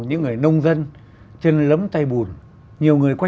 những người nông dân